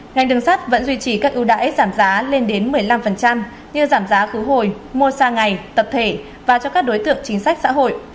ngành đường sắt vẫn duy trì các ưu đãi giảm giá lên đến một mươi năm như giảm giá khứ hồi mua xa ngày tập thể và cho các đối tượng chính sách xã hội